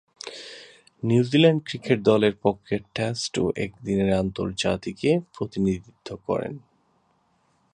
New Zealand cricket দলের পক্ষে test ও একদিনের আন্তর্জাতিকে প্রতিনিধিত্ব করেন।